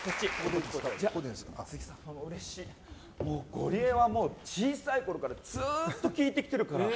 ゴリエは小さいころからずっと聴いてきてるから。